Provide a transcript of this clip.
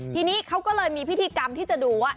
ทีนี้เขาก็เลยมีพิธีกรรมที่จะดูว่า